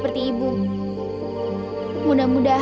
aduh w generej sama dia